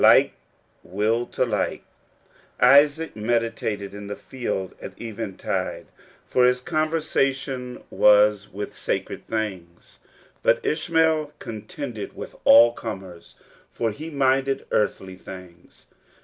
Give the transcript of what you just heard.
Like will to like. Isaac meditated in the field at eventide, for his conversation was with sacred things ; but Ishmael contended with all comers, for he minded earthly things.